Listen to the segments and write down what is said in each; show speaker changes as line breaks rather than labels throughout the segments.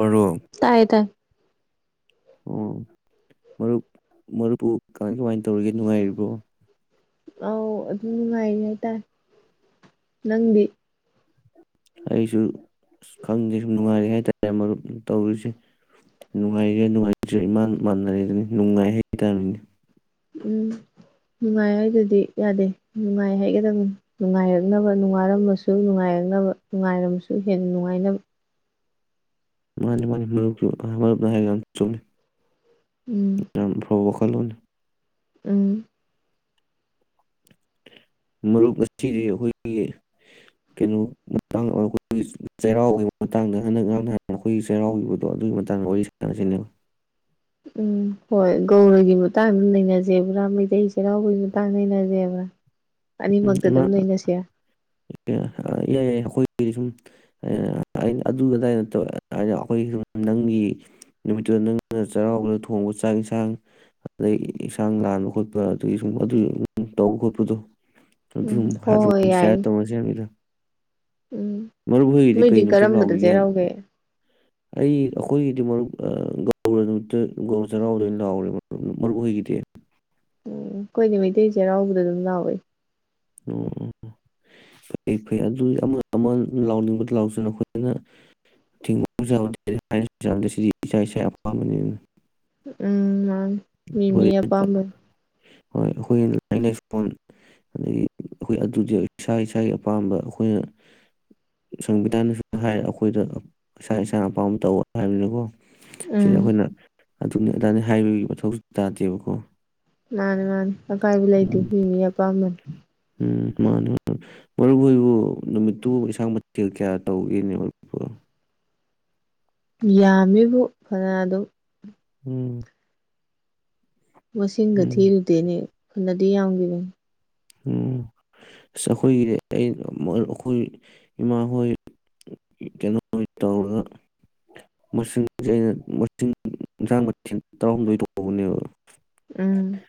ꯃꯔꯨꯞ
ꯇꯥꯏꯌꯦ ꯇꯥꯏ
ꯑꯣ ꯃꯔꯨꯞ ꯃꯔꯨꯞꯄꯨ ꯀꯃꯥꯏ ꯀꯃꯥꯏꯅ ꯇꯧꯔꯤꯒꯦ ꯅꯨꯡꯉꯥꯏꯔꯤꯕꯣ
ꯑꯥꯎ ꯑꯗꯨꯝ ꯅꯨꯡꯉꯥꯏꯔꯤ ꯍꯥꯏꯇꯥꯔꯦ ꯅꯪꯗꯤ
ꯑꯩꯁꯨ ꯈꯪꯗꯦ ꯁꯨꯝ ꯅꯨꯡꯉꯥꯏꯔꯦ ꯍꯥꯏ ꯇꯥꯔꯦ ꯃꯔꯨꯞ ꯇꯧꯔꯤꯁꯦ ꯅꯨꯡꯉꯥꯏꯔꯤꯔ ꯅꯨꯡꯉꯥꯏꯇ꯭ꯔꯤꯔ ꯏꯃꯥꯟ ꯃꯥꯟꯅꯔꯦꯗꯨꯅꯤ ꯅꯨꯡꯉꯥꯏ ꯍꯥꯏꯇꯥꯕꯅꯤ꯫
ꯎꯝ ꯅꯨꯡꯉꯥꯏ ꯍꯥꯏꯗꯗꯤ ꯌꯥꯗꯦ ꯅꯨꯡꯉꯥꯏ ꯍꯥꯏꯒꯗꯕ ꯅꯨꯡꯉꯥꯏꯔꯛꯅꯕ ꯅꯨꯡꯉꯥꯏꯔꯃꯁꯨ ꯅꯨꯡꯉꯥꯏꯔꯛꯅꯕ ꯅꯨꯡꯉꯥꯏꯔꯝꯃꯁꯨ ꯍꯦꯟꯅ ꯅꯨꯡꯉꯥꯏꯅꯕ
ꯃꯥꯅꯤ ꯃꯥꯅꯤ ꯃꯔꯨꯞ ꯃꯔꯨꯞꯅ ꯍꯥꯏꯔꯤ ꯃꯌꯥꯝꯗꯣ ꯌꯥꯝ ꯆꯨꯝꯃꯦ
ꯎꯝ
[unintelligible]
ꯎꯝ
ꯃꯔꯨꯞ ꯑꯁꯤꯁꯤꯗꯤ ꯑꯩꯈꯣꯏꯒꯤ ꯀꯩꯅꯣ ꯃꯇꯥꯡ ꯑꯩꯈꯣꯏꯒꯤ ꯆꯩꯔꯥꯎꯒꯤ ꯃꯇꯥꯡꯗ ꯍꯟꯗꯛꯥꯡ ꯅꯍꯥꯟꯅ ꯑꯩꯈꯣꯏꯒꯤ ꯆꯩꯔꯥꯎꯈꯤꯕꯗꯣ ꯑꯗꯨꯒꯤ ꯃꯇꯥꯡꯗ ꯋꯥꯔꯤ ꯁꯥꯟꯅꯁꯤꯅꯦ
ꯎꯝ ꯍꯣꯏ ꯒꯧꯔꯒꯤ ꯃꯇꯥꯡ ꯑꯗꯨꯝ ꯅꯩꯅꯖꯦꯕ꯭ꯔꯥ ꯃꯩꯇꯩ ꯆꯩꯔꯥꯎꯕꯒꯤ ꯃꯇꯥꯡ ꯅꯩꯅꯖꯦꯕ꯭ꯔꯥ ꯑꯅꯤꯃꯛꯇ ꯑꯗꯨꯝ ꯅꯩꯅꯥꯁꯤꯔꯥ꯫
[unintelligible] ꯏꯌꯥꯏ ꯌꯥꯏ ꯑꯩꯈꯣꯏꯒꯤꯗꯤ ꯁꯨꯝ ꯑꯩꯅ ꯑꯗꯨꯗꯥꯏꯠꯇꯧ ꯑꯩꯅ ꯑꯩꯈꯣꯏꯒꯤ ꯁꯨꯝ ꯅꯪꯒꯤ ꯅꯨꯃꯤꯠꯇꯨꯗ ꯅꯪꯅ ꯆꯩꯔꯥꯎꯕꯗ ꯊꯣꯡꯕ ꯆꯥꯛ ꯏꯟꯁꯥꯡ ꯑꯗꯗꯒꯤ ꯏꯟꯁꯥꯡ ꯂꯥꯟꯕ ꯈꯣꯠꯄ ꯑꯗꯨꯗꯒꯤ ꯁꯨꯝ ꯑꯗꯨꯒꯤ ꯇꯧꯕ ꯈꯣꯠꯄꯗꯣ
ꯎꯝ
[unintelligible]
ꯍꯣꯏ ꯍꯣꯏ ꯌꯥꯏ
ꯍꯥꯏꯕꯅꯤꯗ
ꯎꯝ
ꯃꯔꯨꯞ ꯍꯣꯏꯒꯤꯗꯤ ꯀꯩ
ꯅꯣꯏꯗꯤ
ꯅꯨꯃꯤꯠꯇ
ꯀꯔꯝꯕꯗ
ꯂꯥꯎꯈꯤꯒꯦ
ꯆꯦꯔꯥꯎꯒꯦ
ꯑꯩ ꯑꯩꯈꯣꯏꯒꯤꯗꯤ ꯃꯔꯨꯞ ꯒꯧꯔꯥ ꯅꯨꯃꯤꯠꯇ ꯒꯑꯧꯔꯥ ꯆꯩꯔꯥꯎꯗ ꯑꯣꯏꯅ ꯂꯥꯎꯔꯦ ꯃꯔꯨꯞ ꯑꯣꯏꯒꯤꯗꯤ
ꯎꯝ [unintelligible] ꯃꯩꯇꯩ ꯆꯩꯔꯥꯎꯕꯗ ꯑꯗꯨꯝ ꯂꯥꯎꯋꯏ
ꯑꯣ ꯐꯩ ꯐꯩ ꯑꯗꯨ ꯑꯃ ꯑꯃ ꯂꯥꯎꯅꯤꯡꯕꯗ ꯂꯥꯎꯁꯤꯅ ꯑꯩꯈꯣꯏꯅ ꯊꯤꯡꯕꯁꯨ ꯁꯤꯗꯤ ꯏꯁꯥ ꯏꯁꯥꯒꯤ ꯑꯄꯥꯝꯕꯅꯤꯅ
ꯎꯝ ꯃꯥꯅꯦ꯫ ꯃꯤꯃꯤ
ꯍꯣꯏ
ꯑꯄꯥꯝꯕꯅꯦ
ꯍꯣꯏ ꯑꯩꯈꯣꯏꯒꯤ ꯂꯥꯏꯅꯤꯡꯛ ꯂꯥꯏꯁꯣꯟ ꯑꯗꯒꯤ ꯑꯩꯈꯣꯏ ꯑꯗꯨꯗꯤ ꯏꯁꯥ ꯏꯁꯥꯒꯤ ꯑꯄꯥꯝꯕ ꯑꯩꯈꯣꯏꯅ ꯁꯪꯕꯤꯙꯥꯟꯗꯁꯨ ꯍꯥꯏꯔ ꯑꯩꯈꯣꯏꯗ ꯏꯁꯥ ꯏꯁꯥꯅ ꯑꯄꯥꯝꯕ ꯇꯧ ꯍꯥꯏꯕꯅꯤꯀꯣ ꯁꯤꯗ
ꯎꯝ
ꯑꯩꯈꯣꯏꯅ ꯑꯗꯨꯅꯦ ꯑꯗꯥꯅꯦ ꯍꯥꯏꯕꯒꯤ ꯃꯊꯧꯁꯨ ꯇꯥꯗꯦꯕꯀꯣ
ꯃꯥꯅꯦ ꯃꯥꯅꯦ ꯑꯀꯥꯏꯕ ꯂꯩꯇꯦ
ꯎꯝ
ꯃꯤ ꯃꯤ ꯑꯄꯥꯝꯕꯅꯤ [inaudible]
ꯎꯝ ꯃꯥꯅꯤ [inaudible] ꯃꯔꯨꯞꯍꯣꯏꯕꯨ ꯅꯨꯃꯤꯠꯇꯨ ꯏꯟꯁꯥꯡ [unintelligible] ꯀꯌꯥ ꯇꯧꯒꯦꯅꯦ [unintelligible]
ꯌꯥꯝꯃꯤꯕꯨ ꯐꯅ ꯑꯗꯨꯝ
ꯎꯝ
ꯃꯁꯤꯡꯒ
ꯎꯝ
ꯊꯤꯔꯨꯗꯦꯅꯦ ꯐꯅꯗꯤ ꯌꯥꯝꯒꯤꯕꯅꯤ
ꯎꯝ ꯑꯁ ꯑꯈꯣꯏꯒꯤꯗꯤ ꯑꯈꯣꯏ ꯏꯃꯥ ꯍꯣꯏ ꯀꯩꯅꯣ [unintelligible] ꯇꯧꯔꯒ ꯃꯁꯤꯡꯁꯦ ꯑꯩꯅ ꯃꯁꯤꯡ ꯏꯟꯁꯥꯡ ꯃꯊꯦꯜ ꯇꯔꯥꯍꯨꯝꯗꯣꯏ ꯇꯧꯕꯅꯦꯕ
ꯎꯝ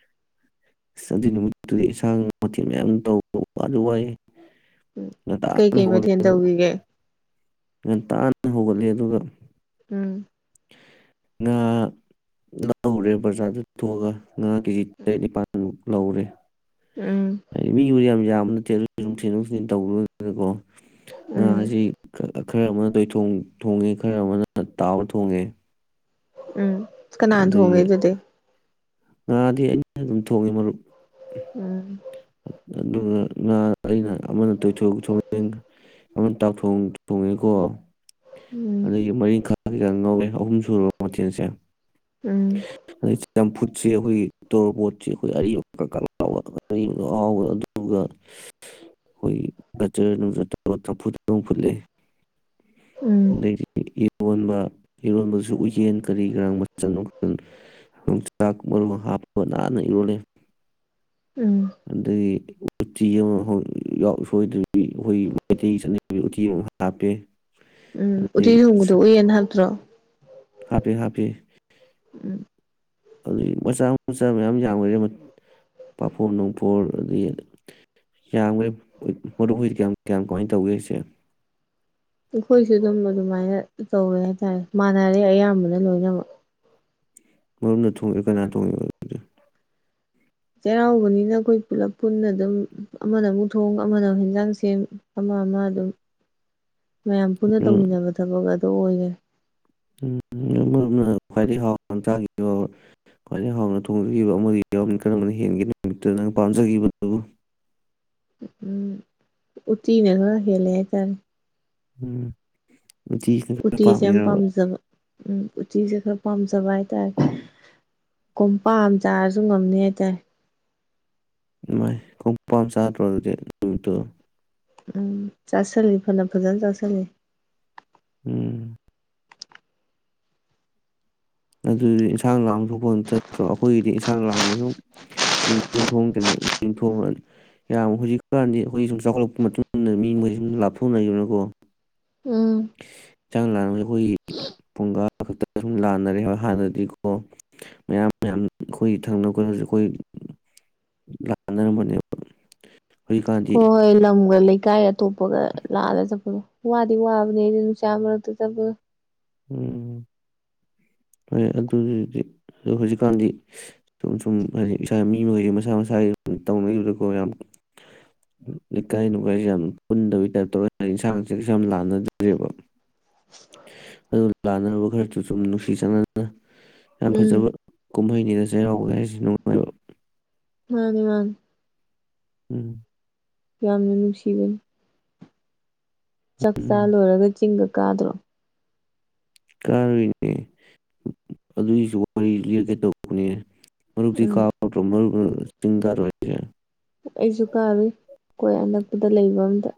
ꯑꯗꯨꯏ ꯅꯨꯃꯤꯠꯇꯨꯗꯤ ꯏꯟꯁꯥꯡ ꯃꯊꯦꯜ ꯃꯌꯥꯝ ꯇꯧꯕ ꯋꯥꯗꯤ ꯋꯥꯏꯍꯦ
ꯎꯝ ꯀꯩꯀꯩ ꯃꯊꯦꯜ
ꯑꯗꯨꯒ
ꯇꯧꯈꯤꯒꯦ
ꯉꯟꯇꯥꯅ ꯍꯧꯒꯠꯂꯦ ꯑꯗꯨꯒ
ꯎꯝ
ꯉꯥ ꯂꯧꯔꯦ ꯕꯖꯥꯔꯗ ꯊꯣꯛꯑꯒ ꯉꯥ ꯀꯦꯖꯤ ꯇꯔꯦꯠ ꯅꯤꯄꯥꯜꯃꯨꯛ ꯂꯧꯔꯦ
ꯎꯝ
ꯑ ꯃꯤꯕꯨꯗꯤ ꯌꯥꯝ ꯌꯥꯝꯅ [unintelligible] ꯊꯤꯟꯗꯣꯛ ꯊꯤꯟꯖꯤꯟ ꯇꯧꯕ [unintelligible] [unintelligible]
ꯎꯝ
ꯈꯔ ꯑꯃꯅ ꯇꯣꯏꯊꯣꯡ ꯊꯣꯡꯉꯦ ꯈꯔ ꯑꯃꯅ ꯇꯥꯎꯔ ꯊꯣꯡ ꯊꯣꯡꯉꯦ
ꯎꯝ꯫ ꯀꯅꯥꯅ
ꯑꯗꯒꯤ
ꯊꯣꯡꯉꯦ ꯑꯗꯨꯗꯤ
ꯉꯥꯗꯤ ꯑꯩꯅ ꯑꯗꯨꯝ ꯊꯣꯡꯉꯦ ꯃꯔꯨꯞ꯫
ꯎꯝ
ꯑꯗꯨꯒ ꯉꯥ ꯑꯩꯅ ꯑꯃꯅ ꯇꯣꯏꯊꯣꯡ ꯊꯣꯡꯉꯦ ꯑꯃꯅ ꯇꯥꯎꯊꯣꯡ ꯊꯣꯡꯉꯦꯀꯣ꯫
ꯎꯝ
ꯑꯗꯒꯤ ꯃꯔꯤꯈꯛ [unintelligible] ꯉꯧꯋꯦ ꯑꯍꯨꯝ ꯁꯨꯔꯕ ꯃꯊꯦꯜꯁꯦ
ꯎꯝ
[inaudible] ꯆꯝꯐꯨꯠ ꯁꯤ ꯑꯈꯣꯏꯒꯤ ꯇꯣꯔꯕꯣꯠꯁꯦ ꯑꯈꯣꯏ ꯑꯔꯤꯕ ꯀꯥꯛ ꯀꯥꯛ ꯂꯥꯎꯕ ꯑꯔꯤꯕꯗꯣ ꯑꯍꯥꯎꯕ ꯑꯗꯨꯒ ꯑꯈꯣꯏꯒꯤ [unintelligible] ꯆꯝꯐꯨꯠ ꯑꯝ ꯐꯨꯠꯂꯦ꯫
ꯎꯝ꯫
ꯑꯗꯩꯗꯤ ꯏꯔꯣꯟꯕ ꯏꯔꯣꯟꯕꯁꯨ ꯎꯌꯦꯟ ꯀꯔꯤ ꯀꯔꯥ ꯃꯆꯟ ꯃꯆꯟ [unintelligible] [unintelligible] ꯍꯥꯞꯄꯒ ꯅꯥꯟꯅ ꯏꯔꯣꯜꯂꯦ
ꯎꯝ
ꯑꯗꯩꯩ ꯎꯇꯤ ꯑꯃ ꯁꯣꯏꯗꯕꯤ ꯑꯩꯈꯣꯏ ꯃꯩꯇꯩꯒꯤ ꯆꯠꯅꯕꯤꯒꯤ ꯎꯇꯤ ꯑꯃ ꯍꯥꯞꯄꯦ [inaudible]
ꯎꯝ ꯎꯇꯤ ꯊꯣꯡꯕꯗꯣ ꯎꯏꯌꯦꯟ ꯍꯥꯞꯇ꯭ꯔꯣ
ꯍꯥꯄꯦ ꯍꯥꯄꯦ
ꯎꯝ
ꯑꯗꯨꯗꯩꯩ ꯃꯆꯥ ꯃꯆꯥ ꯃꯌꯥꯝ ꯌꯥꯝꯈ꯭ꯔꯦ ꯄꯥꯐꯣ ꯅꯨꯡꯐꯣꯜ ꯑꯗꯩ ꯌꯥꯝꯈ꯭ꯔꯦ ꯃꯔꯨꯞ ꯍꯣꯏꯗꯤ ꯀꯌꯥꯝ ꯀꯌꯥꯝ ꯀꯃꯥꯏꯅ ꯇꯧꯒꯦ ꯍꯥꯏꯁꯦ
ꯑꯩꯈꯣꯏꯁꯨ ꯑꯗꯨꯝ ꯑꯗꯨꯃꯥꯏꯅ ꯇꯧꯋꯦ ꯍꯥꯏꯇꯥꯔꯦ ꯃꯥꯟꯅꯔꯦ ꯑꯌꯥꯝꯕꯅ ꯂꯣꯏꯅꯃꯛ
ꯃꯔꯨꯞꯅ ꯊꯣꯡꯉꯤꯔꯣ ꯀꯅꯥ ꯊꯣꯡꯉꯤꯕ ꯑꯗꯨꯗꯤ
ꯆꯩꯔꯥꯎꯕꯅꯤꯅ ꯑꯩꯈꯣꯏ ꯄꯨꯂꯞ ꯄꯨꯟꯅ ꯑꯗꯨꯝ ꯑꯃꯅ ꯑꯃꯨꯛ ꯊꯣꯡ ꯑꯃꯅ ꯑꯃꯨꯛ ꯍꯦꯟꯖꯥꯡ ꯁꯦꯝ ꯑꯃ ꯑꯃ ꯑꯗꯨꯝ ꯃꯌꯥꯝ ꯄꯨꯨꯟꯅ ꯇꯧꯃꯤꯟꯅꯕ ꯊꯕꯛ ꯑꯣꯏꯔꯦ
ꯎꯝꯣꯝ ꯈ꯭ꯋꯥꯏꯗꯒꯤꯩ ꯍꯥꯎꯅ ꯇꯥꯈꯤꯕ ꯈ꯭ꯋꯥꯏꯗꯒꯤ ꯍꯥꯎꯅ ꯊꯣꯡꯖꯈꯤꯕ ꯑꯃꯗꯤ ꯌꯥꯎ ꯀꯔꯝꯕꯅ ꯍꯦꯟꯒꯦ ꯅꯨꯃꯤꯠꯇ ꯅꯪ ꯄꯥꯝꯖꯈꯤꯕꯗꯨꯕꯨ [inaudible]
ꯎꯝ ꯎꯇꯤꯅ ꯈꯔ ꯈꯦꯂꯦ ꯍꯥꯏ ꯇꯥꯔꯦ
ꯎꯝ ꯎꯇꯤꯅ ꯈꯔ
ꯎꯇꯤꯁꯦ ꯌꯥꯝ
ꯄꯥꯝꯃꯤꯔꯕ
ꯄꯥꯝꯖꯕ ꯎꯝ ꯎꯇꯤꯁꯦ ꯈꯔ ꯄꯥꯝꯖꯕ ꯍꯥꯏꯇꯥꯔꯦ ꯀꯨꯝꯄꯥꯛ ꯑꯃ ꯆꯥꯔꯁꯨ ꯉꯝꯅꯤ ꯍꯥꯏꯇꯥꯔꯦ
ꯥꯏꯃꯥꯏ ꯀꯣꯝꯄꯥꯛ ꯆꯥꯗ꯭ꯔꯣ ꯑꯗꯨꯗꯤ ꯅꯨꯃꯤꯠꯇꯣ
ꯎꯝ ꯆꯥꯁꯜꯂꯤ ꯐꯅ ꯐꯖꯅ ꯆꯥꯁꯜꯂꯤ
ꯎꯝ ꯑꯗꯨꯗꯤ ꯏꯟꯁꯥꯡ ꯂꯥꯡꯊꯣꯛꯄ ꯆꯠꯇ꯭ꯔꯣ ꯑꯩꯈꯣꯏꯒꯤꯗꯤ ꯏꯟꯁꯥꯡ ꯂꯥꯡꯅ ꯁꯨꯝ ꯃꯤ ꯌꯨꯝꯊꯣꯡ ꯀꯩꯅꯣ ꯌꯨꯝꯊꯣꯡ ꯌꯥꯝ ꯍꯧꯖꯤꯛꯀꯥꯟꯗꯤ ꯑꯩꯈꯣꯏꯒꯤ ꯁꯨꯝ ꯆꯥꯎꯈꯠꯂꯛꯄ ꯃꯇꯨꯡ ꯏꯟꯅ ꯃꯤ ꯃꯩ ꯁꯨꯝ ꯂꯥꯞꯊꯣꯛꯅꯈꯤꯕꯅꯀꯣ
ꯎꯝ
ꯌꯦꯟꯁꯥꯡ ꯂꯥꯟꯅꯕꯁꯦ ꯑꯩꯈꯣꯏꯒꯤ ꯐꯨꯡꯒꯥ ꯈꯛꯇꯪ ꯑꯗꯨꯨꯝ ꯂꯥꯟꯅꯔꯦꯕ ꯍꯥꯟꯅꯗꯤꯀꯣ ꯃꯌꯥꯝ ꯃꯌꯥꯝ ꯑꯩꯈꯣꯏꯒꯤ ꯊꯪꯅꯕ ꯈꯣꯠꯅꯕꯁ ꯑꯩꯈꯣꯏ ꯂꯥꯟꯅꯔꯝꯕꯅꯦꯕ ꯍꯧꯖꯤꯛꯀꯥꯟꯗꯤ
ꯍꯣ ꯍꯣꯏ ꯂꯝꯒ ꯂꯩ ꯀꯥꯏ ꯑꯇꯣꯞꯄꯒ ꯂꯥꯜꯂ ꯆꯠꯄꯗꯣ ꯋꯥꯗꯤ ꯋꯥꯕꯅꯦꯍꯦ ꯅꯨꯡꯁꯥ ꯃꯔꯛꯇ ꯆꯠꯄꯗꯣ
ꯎꯝ ꯍꯣꯏ ꯑꯗꯨꯒꯤꯗꯤ ꯑꯗꯨ ꯍꯧꯖꯤꯛꯀꯥꯟꯗꯤ ꯁꯨꯝ ꯁꯨꯝ ꯍꯥꯏꯗꯤ ꯏꯁꯥ ꯃꯤ ꯃꯈꯩꯁꯦ ꯃꯁꯥ ꯃꯁꯥꯒꯤ ꯇꯧꯅꯈꯤꯕꯗꯀꯣ ꯌꯥꯝ ꯂꯩꯀꯥꯏ ꯅꯨꯡꯒꯥꯏꯁꯦ ꯌꯥꯝ ꯄꯨꯟꯗꯕꯩ ꯇꯥꯏꯞ ꯇꯧꯋꯦ ꯍꯥꯏꯗꯤ ꯏꯟꯁꯥꯡꯁꯦꯁꯨ ꯌꯥꯝ ꯂꯥꯟꯅꯗ꯭ꯔꯦꯕ ꯑꯗꯨ ꯂꯥꯟꯅꯔꯕ ꯈꯔꯁꯨ ꯁꯨꯝ ꯅꯨꯡꯁꯤ ꯅꯨꯡꯁꯤ ꯆꯥꯟꯅꯅ ꯌꯥꯝ
ꯎꯝ
ꯐꯖꯕ ꯀꯨꯝꯍꯩ ꯅꯤꯗ ꯆꯩꯔꯥꯎꯕ ꯍꯥꯏꯔꯤꯁꯦ ꯅꯨꯡꯉꯥꯏꯕ
ꯃꯥꯅꯤ ꯃꯥꯅꯤ
ꯎꯝ
ꯌꯥꯝꯅ ꯅꯨꯡꯁꯤꯕꯅꯤ ꯆꯥꯛꯆꯥꯥ
ꯎꯝ
ꯂꯣꯏꯔꯒ ꯆꯤꯡꯒ ꯀꯥꯗ꯭ꯔꯣ
ꯀꯥꯔꯨꯏꯌꯦ ꯑꯗꯨꯒꯤꯁꯨ ꯋꯥꯔꯤ ꯂꯤꯔꯛꯀꯦ ꯇꯧꯕꯅꯦ ꯃꯔꯨꯞꯇꯤ
ꯎꯝ
ꯀꯥꯗꯔ꯭ꫭ ꯃꯥꯔꯨꯞꯅ ꯑꯁ ꯆꯤꯡ ꯀꯗꯔ꯭ꫭ ꯍꯥꯏꯁꯦ
ꯑꯩꯁꯨ ꯀꯥꯔꯨꯏ ꯈꫭꯏ ꯑꯅꯛꯄꯗ ꯂꯩꯕ ꯑꯝꯗ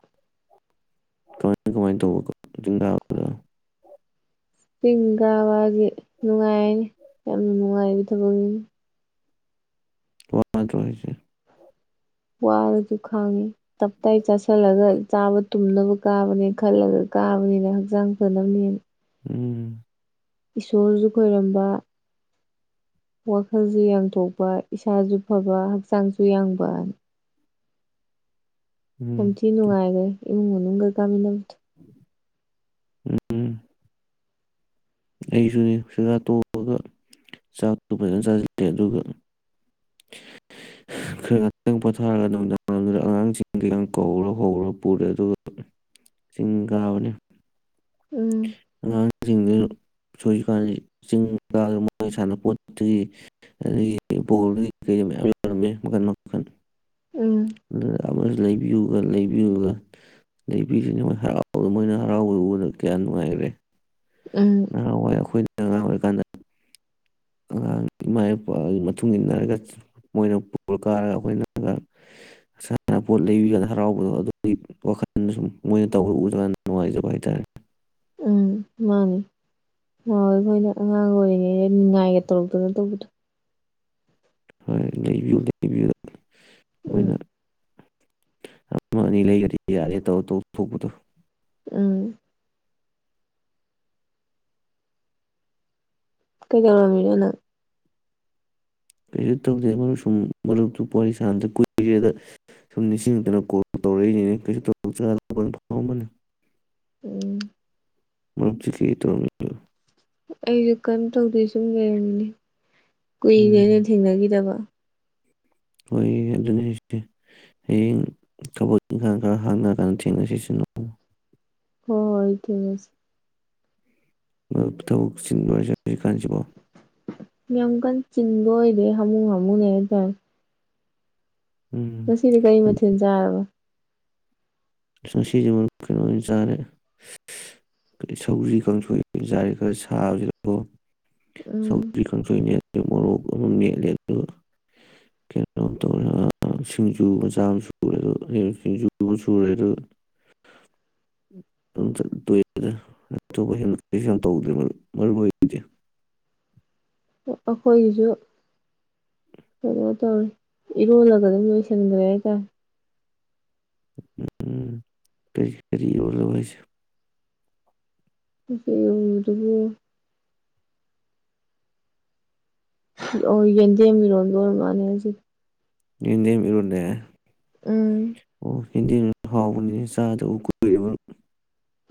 ꯀꯃꯥꯏ ꯀꯃꯥꯏꯅ ꯇꯧꯕ ꯆꯤꯡ ꯀꯥꯕꯗꯣ
ꯆꯤꯡ ꯀꯥꯕꯁꯤ ꯅꯨꯡꯉꯥꯏ ꯌꯥꯝ ꯅꯨꯡꯉꯥꯢ ꯑꯗꯨꯝ
ꯋꯥ꯭ꯗꯔꯣ ꯍꯥꯢꯁꯦ
ꯋꯥꯔꯁꯨ ꯈꯥꯡꯉꯤ ꯇꯞꯇꯥꯏ ꯆꯥꯁꯤꯜꯂꯒ ꯆꯥꯕ ꯇꯨꯝꯅꯕ ꯀꯥꯕꯅꯦ ꯈꯜꯂꯒ ꯀꯥꯕꯅꯤꯅ ꯍꯛꯆꯥꯡ ꯐꯅꯕꯅꯦꯅ
ꯎꯝ
ꯏꯁꯣꯔꯁꯨ ꯈꯣꯏꯔꯝꯕ ꯋꯥꯈꯜꯁꯨ ꯌꯥꯡꯊꯣꯛꯄ ꯏꯁꯥꯁꯨ ꯐꯕ ꯍꯛꯆꯥꯡꯁꯨ ꯌꯥꯡꯕ [unintelligible]
ꯎꯝ
ꯅꯨꯡꯉꯥꯏ [unintelligible] ꯏꯃꯨꯡ ꯃꯅꯨꯡꯒ [unintelligible]
ꯎꯝ ꯑꯩꯁꯨꯅꯤ ꯁꯒꯥꯥ ꯇꯣꯛꯑꯒ ꯆꯥꯛꯇꯨ ꯐꯖꯅ ꯆꯥꯁꯤꯜꯂꯦ ꯑꯗꯨꯒ ꯈꯔ ꯉꯇꯪ ꯄꯣꯊꯥꯔꯒ ꯅꯨꯃꯤꯗꯥꯡꯏꯗꯨꯗ ꯑꯉꯥꯡꯁꯤꯡ ꯀꯩꯀ ꯀꯧꯔ ꯍꯧꯔ ꯄꯨꯔꯦ ꯑꯗꯨꯒ ꯆꯤꯡ ꯀꯥꯕꯅꯤ [unintelligible]
ꯎꯝ
[unintelligible] [unintelligible] ꯆꯤꯡꯗ ꯃꯣꯏ ꯁꯥꯟꯅꯄꯣꯠꯇꯒꯤ ꯑꯗꯒꯤ ꯕꯣꯜꯒꯤ ꯀꯩ ꯃꯌꯥꯝ ꯌꯥꯎꯔꯝꯃꯦ ꯃꯈꯟ ꯃꯈꯟ
ꯎꯝ
ꯎꯝ [unintelligible] ꯂꯩꯕꯤꯌꯨꯒ ꯂꯩꯕꯤꯌꯨꯒ ꯂꯩꯕꯤꯁꯤꯅ ꯃꯣꯏ ꯍꯔꯥꯎ ꯃꯣꯏꯅ ꯍꯔꯥꯎꯕ ꯎꯕꯗ ꯀꯌꯥ ꯅꯨꯡꯉꯥꯏꯒꯔꯦ
ꯎꯝ
ꯅꯪ ꯑꯉꯥꯡ ꯑꯣꯏꯔꯤꯀꯥꯟꯗ ꯑꯉꯥꯡ ꯏꯃꯥꯄꯥ ꯃꯇꯨꯡ ꯏꯟꯅꯔꯒ ꯃꯣꯏꯅ ꯄꯨꯔ ꯀꯥꯔꯒ ꯑꯩꯈꯣꯏꯅꯔ ꯁꯥꯟꯅ ꯄꯣꯠ ꯂꯩꯕꯤ ꯀꯥꯟꯅ ꯍꯔꯥꯎꯕꯗꯣ ꯑꯗꯨꯒꯤ ꯋꯥꯈꯜ ꯁꯨꯝ ꯃꯣꯏꯅ ꯇꯧꯕ ꯎꯗ ꯀꯥꯟꯗ ꯅꯨꯡꯉꯥꯏꯖꯕ ꯍꯥꯏꯇꯥꯥꯔꯦ
ꯃꯥꯅꯦ [unintelligible] ꯑꯉꯥꯡ ꯑꯣꯏꯔꯤꯉꯩ ꯅꯤꯉꯥꯏꯒꯦ ꯇꯧꯗꯅ ꯇꯧꯕꯗꯣ
ꯍꯣꯏ ꯂꯩꯕꯤꯌꯨ ꯂꯩꯕꯤꯌꯨ
ꯎꯝ
ꯃꯣꯏꯅ ꯑꯃ ꯑꯅꯤ ꯂꯩꯔꯗꯤ ꯌꯥꯔꯦ ꯇꯧꯔꯒ ꯇꯣꯛꯊꯣꯛꯄꯗꯣ ꯫
ꯎꯝ ꯀꯩꯗꯧꯔꯝꯃꯤꯅꯣ ꯅꯪ
ꯀꯩꯁꯨ ꯇꯧꯗꯦ ꯃꯔꯨꯞ ꯁꯨꯝ ꯃꯔꯨꯞꯇꯨ ꯋꯥꯔꯤ ꯁꯥꯟꯗ ꯀꯨꯏꯔꯦꯗ ꯁꯨꯝ ꯅꯤꯡꯁꯤꯡꯗꯅ ꯀꯣꯜ ꯇꯧꯔꯛꯏꯁꯤꯅꯦ ꯀꯩꯁꯨ [unintelligible]
ꯎꯝ
[unintelligible]
ꯑꯩꯁꯨ ꯀꯩꯅꯝ ꯇꯧꯗꯣꯏ ꯁꯨꯝ ꯂꯩꯔꯝꯃꯤꯅꯦ
ꯎꯝ
ꯀꯨꯏꯔꯦꯅꯦ ꯊꯦꯡꯅꯒꯤꯗꯕ꯫
[unintelligible] ꯑꯗꯨꯗꯤ ꯍꯌꯦꯡ ꯊꯕꯛ ꯏꯪꯈꯥꯡꯒ ꯍꯥꯡꯉꯥ ꯀꯥꯟꯗ ꯊꯦꯡꯅꯁꯤ
ꯍꯣ ꯍꯣꯏ ꯊꯦꯡꯅꯖꯤ꯫
ꯊꯕꯛ ꯆꯤꯟ [unintelligible]
ꯌꯥꯝ ꯀꯟ ꯆꯤꯟꯕ ꯑꯣꯏꯗꯦ ꯍꯥꯃꯨ [unintelligible] [unintelligible]
ꯎꯝ
ꯉꯁꯤꯗꯤ ꯀꯔꯤ ꯃꯊꯦꯜ ꯆꯥꯔꯕ
[unintelligible] ꯃꯔ ꯀꯩꯅꯣ ꯑꯣꯏꯅ ꯆꯥꯔꯦ ꯁꯧꯖꯤꯔꯤ ꯀꯥꯡꯁꯣꯏ ꯑꯣꯏꯅ ꯆꯥꯔꯦ ꯈꯔ ꯁꯥꯕꯁꯤꯗꯣ
ꯎꯝ
ꯁꯧꯖꯤ ꯀꯥꯡꯁꯣꯏ ꯅꯦꯂꯦ ꯃꯣꯔꯣꯛ ꯑꯃ ꯅꯦꯠꯂꯦ ꯑ ꯀꯩꯅꯣ ꯇꯧꯔꯦ ꯁꯤꯡꯖꯨ ꯃꯆꯥ ꯑꯃ ꯁꯨꯔꯦ ꯁꯤꯡꯖꯨ ꯑꯃ ꯁꯨꯔꯦ [unintelligible]
ꯑꯩꯈꯣꯏꯒꯤꯁꯨ ꯀꯩꯅꯣ ꯇꯧꯔꯦ ꯏꯔꯣꯜꯂꯒ ꯑꯗꯨꯝ ꯂꯣꯏꯁꯤꯟꯈ꯭ꯔꯦ ꯍꯥꯏꯇꯥꯔꯦ
ꯎꯝ ꯀꯔꯤ ꯀꯔꯤ [unintelligible]
[unintelligible] ꯑꯣ ꯌꯦꯗꯦꯝ ꯏꯔꯣꯟꯕ ꯑꯣꯏꯔꯃꯥꯜꯂꯦ ꯉꯁꯤ꯫
ꯌꯦꯟꯗꯦꯝ ꯏꯔꯣꯜꯂꯦ꯫
ꯎꯝ
ꯌꯦꯟꯗꯤ ꯍꯥꯎꯕꯅꯤꯍꯦ ꯆꯥꯗꯕ ꯀꯨꯏꯔꯦꯕꯨꯟ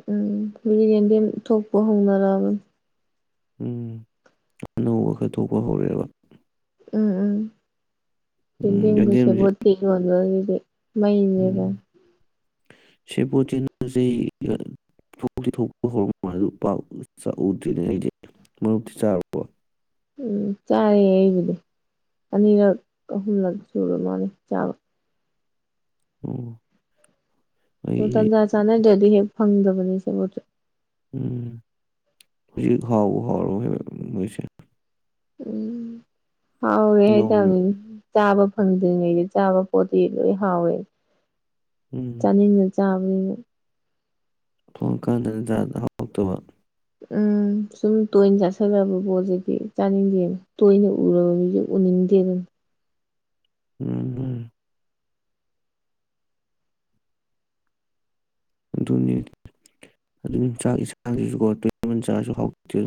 ꯎꯝ [unintelligible] ꯌꯦꯟꯗꯦꯝ ꯊꯣꯛꯄ ꯍꯧꯅꯔꯛꯑꯕꯅꯤ꯫
ꯎꯝ ꯑꯅꯧꯕ ꯈꯔ ꯊꯣꯛꯄ ꯍꯧꯔꯛꯑꯦꯕ
ꯎꯝ ꯎꯝ꯫
ꯎꯝ
ꯌꯦꯟꯗꯦꯝꯒ
ꯌꯦꯟꯗꯦꯝꯁꯦ
ꯁꯦꯕꯣꯠꯀ ꯏꯔꯣꯝꯕꯅꯤ [unintelligible] ꯃꯩꯅꯦꯕ
ꯁꯦꯕꯣꯠꯇꯤ [unintelligible] ꯆꯍꯤꯒ ꯊꯣꯛꯇꯤ ꯊꯣꯛꯄ ꯍꯣꯔꯕ ꯃꯥꯜꯂꯤ ꯄꯥ ꯆꯥ ꯎꯗ꯭ꯔꯤ ꯍꯥꯏꯗꯤ ꯃꯔꯨꯞꯇꯤ ꯆꯥꯔꯕꯣ
ꯎꯝ ꯆꯥꯔꯦ ꯑꯩꯕꯨꯗꯤ ꯑꯅꯤꯔꯛ ꯑꯍꯨꯝꯂꯛ ꯁꯨꯔ ꯃꯥꯜꯂꯦ ꯆꯥꯕ꯫
ꯎꯝ꯫
ꯇꯟꯖꯥ ꯆꯥꯟꯅꯗ꯭ꯔꯦ ꯑꯗꯨꯒꯤꯅꯤ꯫ ꯐꯪꯗꯕꯅꯤ ꯁꯦꯕꯣꯠꯁꯨ
ꯎꯝ ꯍꯧꯖꯤꯛ ꯍꯥꯎꯕꯨ ꯍꯥꯎꯔꯕꯣ ꯁꯦꯕꯣꯠꯁꯦ
ꯎꯝ꯫ ꯍꯥꯎꯏ ꯍꯥꯏ
ꯅꯧꯔꯤ
ꯇꯅꯤꯅꯦ ꯆꯥꯕ ꯐꯪꯗ꯭ꯔꯤꯉꯩꯗ ꯆꯥꯕ ꯄꯣꯠꯇꯤ ꯂꯣꯏ ꯍꯥꯎꯋꯦ
ꯎꯝ
ꯆꯥꯅꯤꯡꯉ ꯆꯥꯕꯅꯤꯅ
ꯊꯣꯡꯀꯥꯟꯗ ꯏꯖꯥꯡꯗ ꯍꯥꯎꯇꯕ
ꯎꯝ ꯁꯨꯝ ꯇꯣꯏꯅ ꯆꯥꯁꯤꯜꯂꯛꯑꯕ ꯄꯣꯠꯇꯨꯗꯤ ꯆꯥꯅꯤꯡꯗꯦꯅ ꯇꯣꯏꯅ ꯎꯔꯕ ꯃꯤꯁꯨ ꯎꯅꯤꯡꯗꯦ ꯑꯗꯨꯅꯤ
ꯎꯝ ꯎꯝ ꯑꯗꯨꯅꯤ ꯑꯗꯨ ꯆꯥꯛ ꯌꯦꯟꯁꯥꯡꯁꯤꯁꯨ ꯆꯥꯛꯁꯨ ꯍꯥꯎꯇꯦ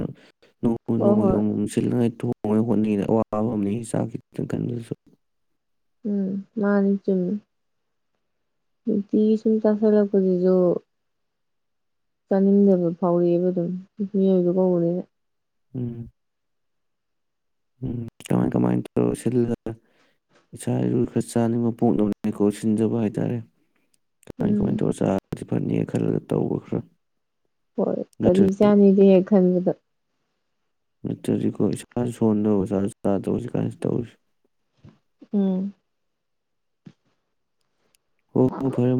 ꯅꯣꯡ ꯅꯣꯡ
ꯍꯣꯏ
ꯃ ꯒꯤ
ꯍꯣꯏ
ꯑꯃꯨꯛ ꯃꯨꯛ ꯁꯤꯜꯂꯒ ꯍꯣꯡꯗꯤ ꯍꯣꯡꯗꯦ ꯑꯋꯥꯕ ꯑꯃꯅꯤ ꯆꯥꯕ ꯀꯟꯁꯨ
ꯎꯝ ꯃꯥꯅꯤ ꯆꯨꯝꯃꯤ ꯅꯨꯡꯇꯤꯒꯤ ꯁꯨꯝ ꯆꯥꯁꯤꯜꯂꯛꯄꯁꯤꯁꯨ ꯆꯥꯅꯤꯡꯗꯕ ꯐꯥꯎꯢꯕ ꯑꯗꯨꯝ ꯃꯤꯑꯣꯏꯕ ꯀꯧꯕꯅꯤꯅ
ꯎꯝ ꯎꯝ ꯀꯃꯥꯏ ꯀꯃꯥꯏ ꯇꯧꯔꯒ ꯁꯤꯜꯂꯒ ꯏꯁꯥꯅ ꯈꯔ ꯆꯥꯅꯤꯡꯕ ꯀꯣ ꯁꯤꯟꯖꯕ ꯍꯥꯏ ꯇꯔꯦ ꯀꯃꯥꯏ ꯀꯃꯥꯏ
ꯎꯝ
ꯇꯧꯔ ꯆꯥꯏ ꯐꯥꯅꯦ ꯈꯜꯂꯒ ꯇꯧꯕ ꯈ꯭ꯔ
ꯍꯣꯏ ꯀꯔꯤ ꯆꯥꯅꯤꯒꯦ ꯈꯟꯕꯗ
ꯅꯠꯇꯔꯗꯤꯀꯣ ꯏꯁꯥ ꯁꯣꯟꯗ ꯆꯥꯁꯨ ꯆꯥꯗꯕ ꯇꯧꯔꯤ ꯀꯥꯟꯁꯦ
ꯎꯝ
ꯍꯣ ꯐꯔꯦ ꯐꯔꯦ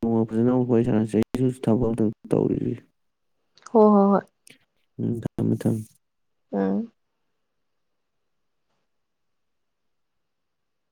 ꯅꯣꯡꯃ ꯐꯖꯟꯅ ꯋꯥꯔꯤ ꯁꯥꯟꯅꯔꯁꯤ ꯑꯩꯁꯨ ꯊꯕꯛ ꯑꯃꯇ ꯇꯧꯔꯨꯈꯤꯒꯦ
ꯍꯣꯏ ꯍꯣꯏ ꯍꯣꯏ
ꯎꯝ ꯊꯝꯃꯦ ꯊꯝꯃꯦ
ꯑꯪ